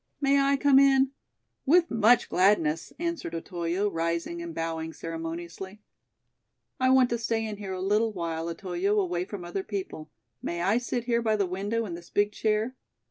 "May I come in?" "With much gladness," answered Otoyo, rising and bowing ceremoniously. "I want to stay in here a little while, Otoyo, away from other people. May I sit here by the window in this big chair?